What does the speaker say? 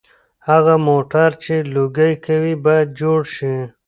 هغه موټر چې لوګي کوي باید جوړ شي.